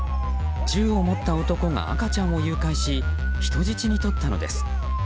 銃を持った男が赤ちゃんを誘拐し人質に取ったのです。